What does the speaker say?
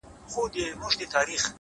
علم د حل لارې پیدا کوي!